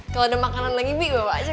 kalo ada makanan lagi bibi bawa aja